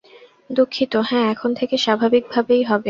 দুঃখিত, হ্যাঁ, এখন থেকে স্বাভাবিকভাবেই হবে।